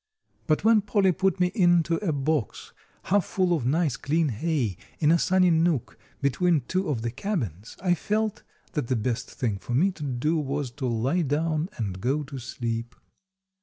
But when Polly put me into a box half full of nice, clean hay, in a sunny nook between two of the cabins, I felt that the best thing for me to do was to lie down and go to sleep.